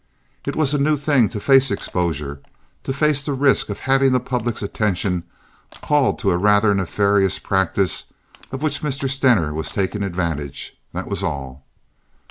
It was a new thing to face exposure, to face the risk of having the public's attention called to a rather nefarious practice of which Mr. Stener was taking advantage, that was all.